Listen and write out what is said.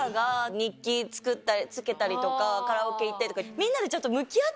日記つけたりとかカラオケ行ったりとか。